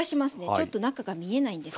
ちょっと中が見えないんです。